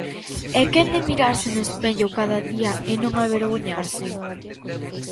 É quen de mirarse no espello cada día e non avergoñarse?